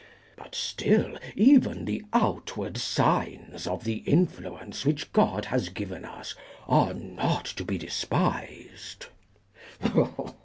But still even the outward signs of the influence which God has given us are not to be despised."